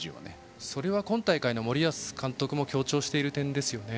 それは今大会の森保監督も強調していますね。